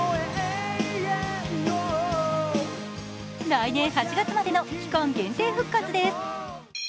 来年８月までの期間限定復活です